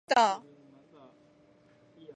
アグベニュー、左をさしました。